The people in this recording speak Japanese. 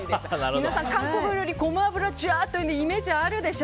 皆さん、韓国料理ゴマ油じゃーっていうイメージあるでしょ？